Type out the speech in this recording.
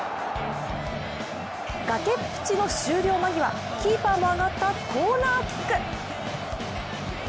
崖っぷちの終了間際、キーパーも上がったコーナーキック。